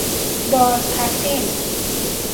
باز پسین